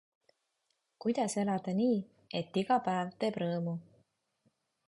Kuidas elada nii, et iga päev teeb rõõmu?